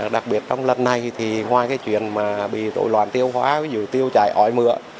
đặc biệt trong lần này thì ngoài cái chuyện mà bị rối loạn tiêu hóa ví dụ tiêu chảy ói mựa